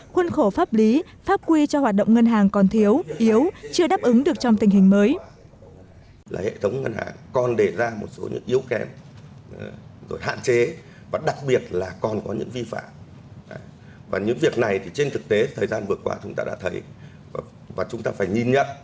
khuôn khổ pháp lý pháp quy cho hoạt động ngân hàng còn thiếu yếu chưa đáp ứng được trong tình hình mới